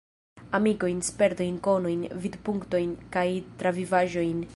Amikojn, spertojn, konojn, vidpunktojn kaj travivaĵojn.